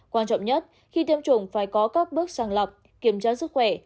quan trọng nhất khi tiêm chủng phải có các bước sàng lọc kiểm tra sức khỏe